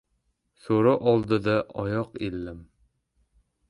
So‘ri oldida oyoq ildim.